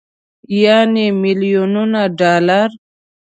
يعنې ميليونونه ډالر.